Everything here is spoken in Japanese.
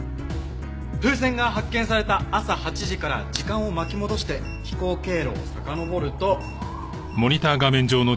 風船が発見された朝８時から時間を巻き戻して飛行経路をさかのぼると。